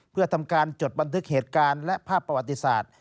เพื่อทำการจดบันทึกเหตุการณ์และภาพประวัติศาสตร์